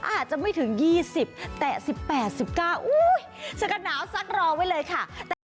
อาจจะไม่ถึง๒๐แต่๑๘๑๙สกันหนาวซักรอไว้เลยค่ะ